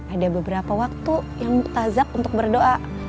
ada beberapa waktu yang mutazak untuk berdoa